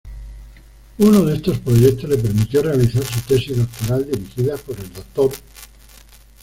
Uno de estos proyectos le permitió realizar su tesis doctoral, dirigida por el Dr.